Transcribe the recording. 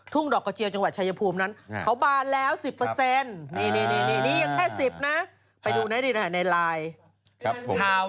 ถุงดอกกะเจียวจังหวัดชายภูมินั้นเขามาแล้ว๑๐